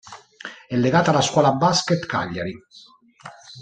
È legata alla Scuola Basket Cagliari.